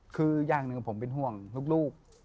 คืออย่างหนึ่งผมเป็นห่วงลูก